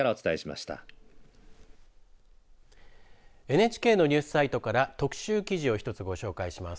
ＮＨＫのニュースサイトから特集記事を一つご紹介します。